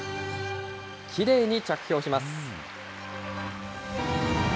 きれいに着氷します。